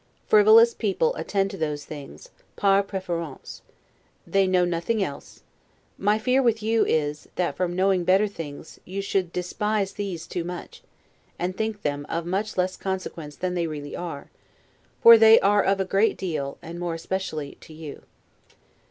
Frivolous people attend to those things, 'par preference'; they know nothing else; my fear with you is, that, from knowing better things, you should despise these too much, and think them of much less consequence than they really are; for they are of a great deal, and more especially to you.